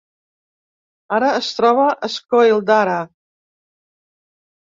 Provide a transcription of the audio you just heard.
Ara es troba a Scoil Dara.